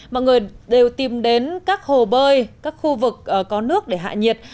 mọi người đều tìm đến các hồ bơi các khu vực có nước để hạ nhiệt